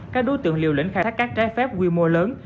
các đối tượng liều lĩnh khai thác cát trái phép quy mô lớn